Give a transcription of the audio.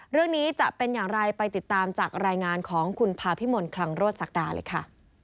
จะเป็นอย่างไรไปติดตามจากรายงานของคุณภาพิมลคลังโรศักดาเลยค่ะ